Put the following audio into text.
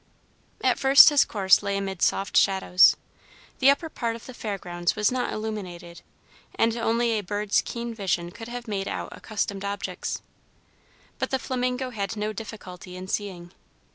At first his course lay amid soft shadows. The upper part of the Fair Grounds was not illuminated, and only a bird's keen vision could have made out accustomed objects. But the flamingo had no difficulty in seeing.